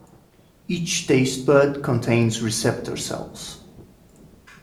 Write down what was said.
Each taste bud contains receptor cells.